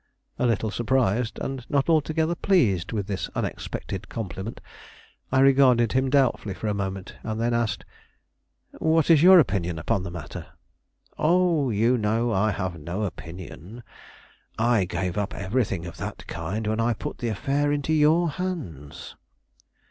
A little surprised, and not altogether pleased with this unexpected compliment, I regarded him doubtfully for a moment and then asked: "What is your opinion upon the matter?" "Oh, you know I have no opinion. I gave up everything of that kind when I put the affair into your hands."